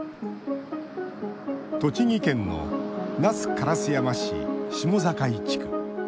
栃木県の那須烏山市下境地区。